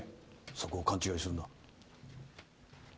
そこを勘違いするな。